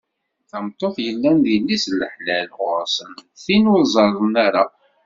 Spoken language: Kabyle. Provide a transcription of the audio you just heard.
Tameṭṭut yellan d yelli-s n laḥlal ɣur-sen, d tin ur ẓerren ara.